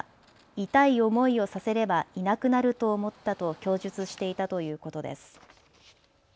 痛い思いをさせればいなくなると思ったと供述していたということです。